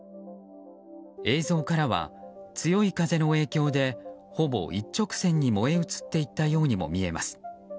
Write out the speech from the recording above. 映像からは強い風の影響でほぼ一直線に燃え移っていったようにも見えます。